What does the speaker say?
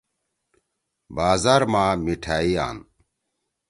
بازار ما مِٹھأئی آن۔